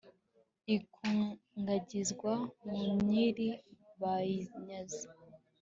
ikungagizwa mu myiri bayinyaze